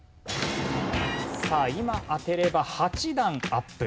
さあ今当てれば８段アップ。